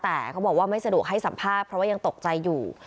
แต่เขาบอกว่าไม่สะดวกให้สัมภาษณ์เพราะว่ายังตกใจอยู่